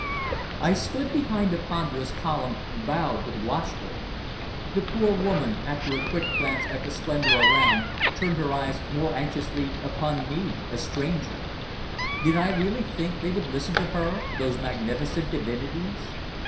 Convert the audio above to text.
I stood behind the ponderous column, bowed but watchful. The poor woman, after a quick glance at the splendour around, turned her eyes more anxiously upon me a stranger. Did I really think they would listen to her, those magnificent divinities?